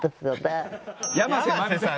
山瀬まみさん。